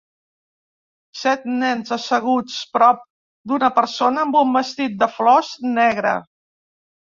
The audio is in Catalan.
Set nens asseguts prop d'una persona amb un vestit de flors negre.